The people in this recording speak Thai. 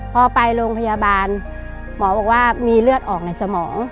พอไปโรงพยาบาลหมอบอกว่ามีเลือดออกในสมอง